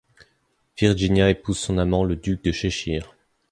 Virginia épouse son amant le duc de Cheshire.